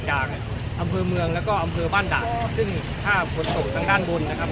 จากอำเภอเมืองแล้วก็อำเภอบ้านด่านซึ่งถ้าฝนตกทางด้านบนนะครับ